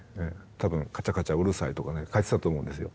多分「カチャカチャうるさい」とかね書いてたと思うんですよ。